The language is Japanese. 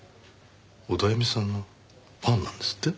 オダエミさんのファンなんですって？